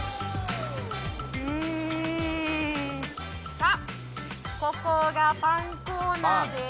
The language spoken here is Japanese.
さぁここがパンコーナーです。